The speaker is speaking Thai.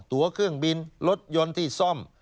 ตัวเครื่องบินรถยนต์ที่ซ่อม